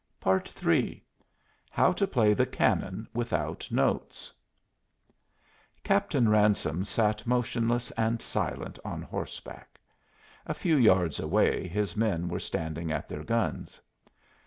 III HOW TO PLAY THE CANNON WITHOUT NOTES Captain Ransome sat motionless and silent on horseback. A few yards away his men were standing at their guns.